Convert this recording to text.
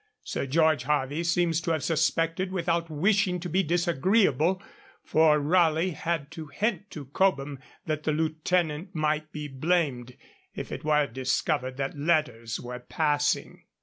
Sir George Harvey seems to have suspected, without wishing to be disagreeable, for Raleigh had to hint to Cobham that the Lieutenant might be blamed if it were discovered that letters were passing.